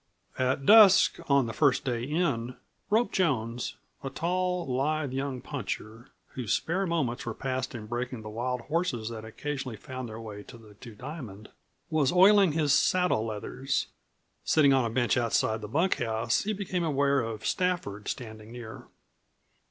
At dusk on the first day in Rope Jones, a tall, lithe young puncher, whose spare moments were passed in breaking the wild horses that occasionally found their way to the Two Diamond, was oiling his saddle leathers. Sitting on a bench outside the bunkhouse he became aware of Stafford standing near.